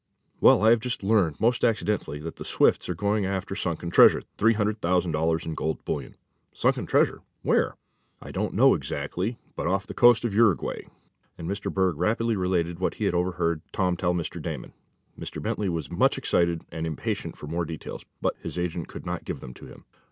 "Well, I have just learned, most accidentally, that the Swifts are going after sunken treasure three hundred thousand dollars in gold bullion." "Sunken treasure? Where? "I don't know exactly, but off the coast of Uruguay," and Mr. Berg rapidly related what he had overheard Tom tell Mr. Damon. Mr. Bentley was much excited and impatient for more details, but his agent could not give them to him.